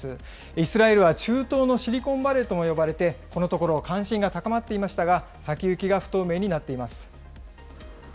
イスラエルは中東のシリコンバレーとも呼ばれて、このところ、関心が高まっていましたが、先行きが不透明になっています。